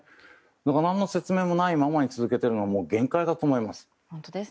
何の説明のないままに続けているのは限界だと思います。